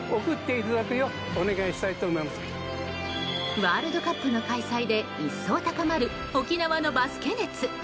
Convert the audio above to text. ワールドカップで一層高まる沖縄のバスケ熱。